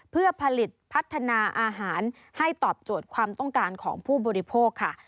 เพื่อผลิตพัฒนาอาหารให้ตอบโจทย์ความต้องการของผู้บริโภคค่ะ